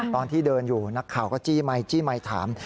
ตอนที่เดินอยู่นักข่าวก็จี้ไมค์จี้ไมค์ถาม